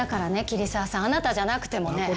桐沢さんあなたじゃなくてもね。